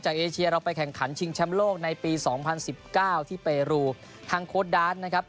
เอเชียเราไปแข่งขันชิงแชมป์โลกในปีสองพันสิบเก้าที่เปรูทางโค้ดดาร์ดนะครับ